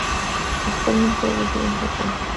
Actualmente el reside en Japón.